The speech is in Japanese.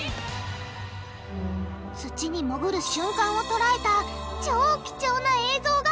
土にもぐる瞬間を捉えた超貴重な映像がこちら！